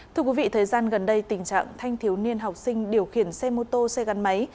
thưa quý vị thời gian gần đây tình trạng thanh thiếu niên học sinh điều khiển xe mô tô xe gắn máy